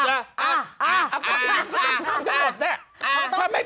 อ้าวอ้าวอ้าว